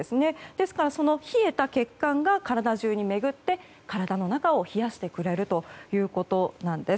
ですから、冷えた血管が体中に巡って、体の中を冷やしてくれるということなんです。